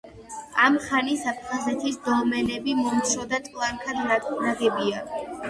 ამ ხანის აფხაზეთის დოლმენები მომცრო და ტლანქად ნაგებია.